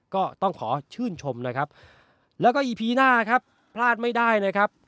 ก็ต้องขอชื่นชมนะครับแล้วก็อีพีหน้าครับพลาดไม่ได้นะครับ